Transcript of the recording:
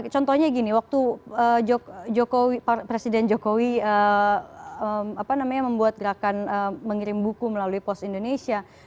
contohnya gini waktu presiden jokowi membuat gerakan mengirim buku melalui pos indonesia